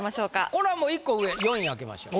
これはもう１個上４位開けましょう。